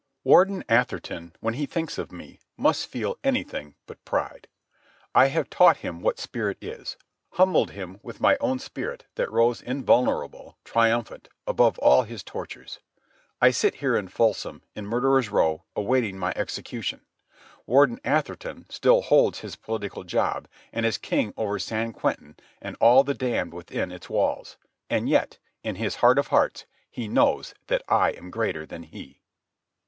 Warden Atherton, when he thinks of me, must feel anything but pride. I have taught him what spirit is, humbled him with my own spirit that rose invulnerable, triumphant, above all his tortures. I sit here in Folsom, in Murderers' Row, awaiting my execution; Warden Atherton still holds his political job and is king over San Quentin and all the damned within its walls; and yet, in his heart of hearts, he knows that I am greater than he.